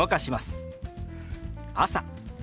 「朝」。